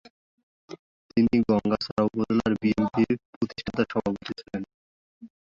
তিনি গংগাচড়া উপজেলার বিএনপির প্রতিষ্ঠাতা সভাপতি ছিলেন।